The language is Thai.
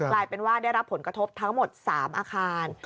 กลายเป็นว่าได้รับผลกระทบทั้งหมด๓อาคาร